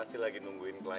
pasti lagi nungguin keluarga